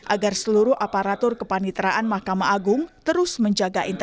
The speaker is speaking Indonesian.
agar seluruh aparatur kepaniteraan yang diperlukan untuk menjaga kesehatan